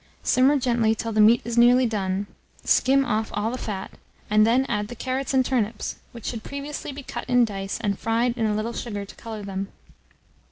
Simmer gently till the meat is nearly done, skim off all the fat, and then add the carrots and turnips, which should previously be cut in dice and fried in a little sugar to colour them.